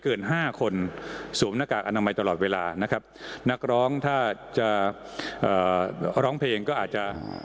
ห้าคนสวมหน้ากากอนามัยตลอดเวลานะครับนักร้องถ้าจะเอ่อร้องเพลงก็อาจจะ